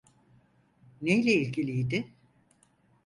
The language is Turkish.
Neyle ilgiliydi?